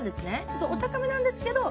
ちょっとお高めなんですけど。